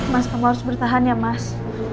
mas kamu harus bertahan ya mas